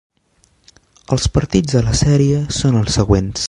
Els partits a la sèrie són els següents.